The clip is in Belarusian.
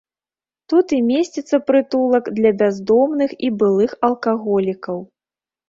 Тут і месціцца прытулак для бяздомных і былых алкаголікаў.